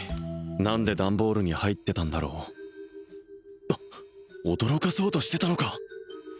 何で段ボールに入ってたんだろう驚かそうとしてたのか！